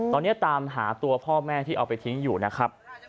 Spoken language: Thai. ตอนนี้ตามหาตัวพ่อแม่ที่เอาไปทิ้งอยู่นะครับ